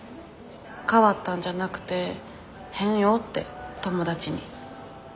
変わったんじゃなくて変よって友達に。